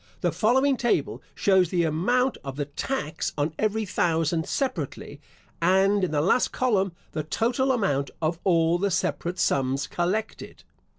The following table shows the amount of the tax on every thousand separately, and in the last column the total amount of all the separate sums collected.